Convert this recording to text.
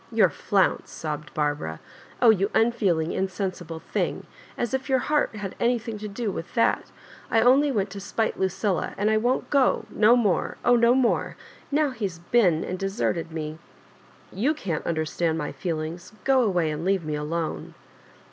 "Your flounce 1" sobbed Barbara — *'oh you unfeeling insensible thing 1 as if your h heart had anything to do with — that I only went to aspite LudUia — and I won't go — ^no more — oh, no more — now he's been and deserted me. You can't understand my feelings— g go away and leave me alone."